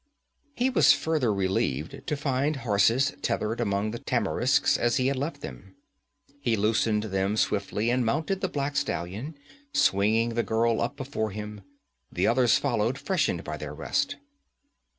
He was further relieved to find horses tethered among the tamarisks as he had left them. He loosed them swiftly and mounted the black stallion, swinging the girl up before him. The others followed, freshened by their rest.